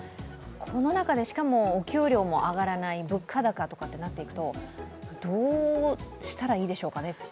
この中で、しかもお給料も上がらない、物価高とかなっていくと、どうしたらいいでしょうかね？